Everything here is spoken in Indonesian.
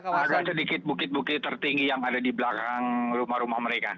ada sedikit bukit bukit tertinggi yang ada di belakang rumah rumah mereka